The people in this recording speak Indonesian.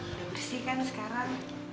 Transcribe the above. udah bersih kan sekarang